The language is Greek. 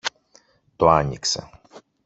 το άνοιξε